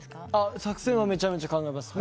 作戦はめちゃめちゃ考えます。